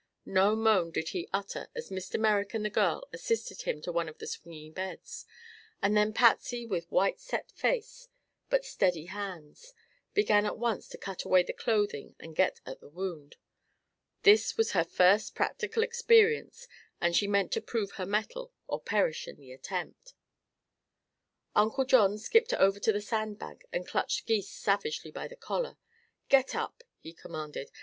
No moan did he utter as Mr. Merrick and the girl assisted him to one of the swinging beds, and then Patsy, with white, set face but steady hands, began at once to cut away the clothing and get at the wound. This was her first practical experience and she meant to prove her mettle or perish in the attempt. Uncle John skipped over to the sand bank and clutched Gys savagely by the collar. "Get up!" he commanded.